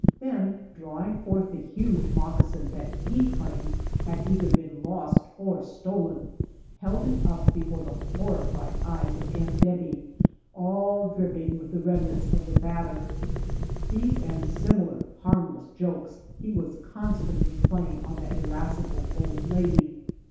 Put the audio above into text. Then drawing forth the huge moccasin that he claimed had either been lost or stolen, held it up before the horrified eyes of Aunt Debby, all dripping with the remnants of the batter. These and similar harmless jokes he was constantly playing on the irascible old lady.